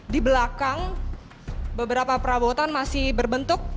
di belakang beberapa perabotan masih berbentuk